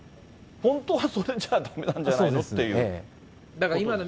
本当はそれじゃだめなんじゃないのっていうことですよね。